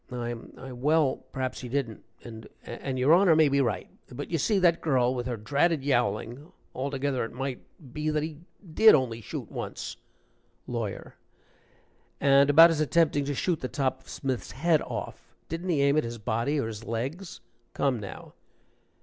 "I I well, perhaps he didn't and and your Honor may be right. But you see, that girl, with her dratted yowling altogether, it might be that he did only shoot once." LAWYER. "And about his attempting to shoot the top of Smith's head off didn't he aim at his body, or his legs? Come now."